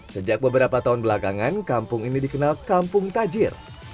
sejak beberapa tahun belakangan kampung ini dikenal kampung tajir